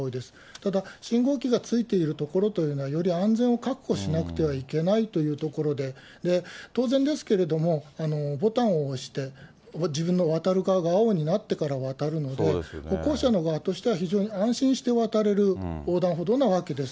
ただ信号機がついている所というのは、より安全を確保しなければいけないという所で、当然ですけれども、ボタンを押して、自分の渡る側が青になってから渡るので、歩行者の側としては非常に安心して渡れる横断歩道のわけです。